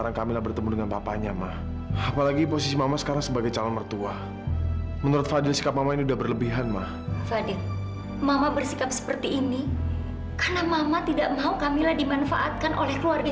jangan dengan mudahnya merayu kamilah agar mendonorkan ginjalnya